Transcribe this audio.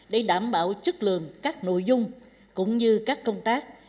để đảm bảo chất lượng các nội dung cũng như các công tác